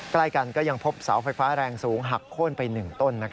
ใกล้กันก็ยังพบเสาไฟฟ้าแรงสูงหักโค้นไป๑ต้น